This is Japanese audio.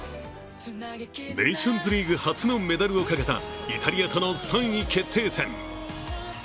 ネーションズリーグ初のメダルをかけたイタリアとの３位決定戦。